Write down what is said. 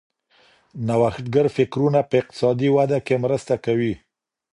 نوښتګر فکرونه په اقتصادي وده کي مرسته کوي.